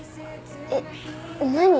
えっ何？